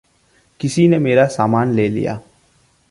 किसी ने मेरा सामान ले लिया।